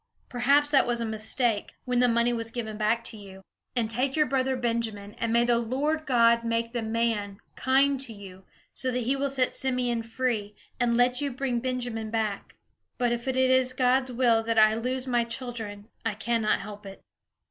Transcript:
Perhaps that was a mistake, when the money was given back to you. And take your brother Benjamin, and may the Lord God make the man kind to you, so that he will set Simeon free, and let you bring Benjamin back. But if it is God's will that I lose my children, I cannot help it."